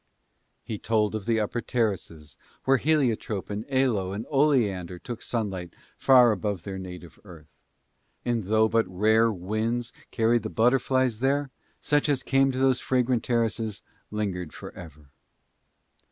He told of the upper terraces, where heliotrope and aloe and oleander took sunlight far above their native earth: and though but rare winds carried the butterflies there, such as came to those fragrant terraces lingered for ever.